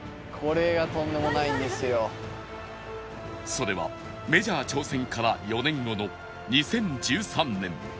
それはメジャー挑戦から４年後の２０１３年